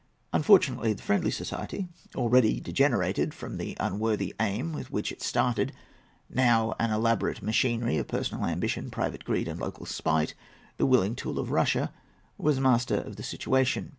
Unfortunately, the Friendly Society, already degenerated from the unworthy aim with which it started, now an elaborate machinery of personal ambition, private greed, and local spite, the willing tool of Russia, was master of the situation.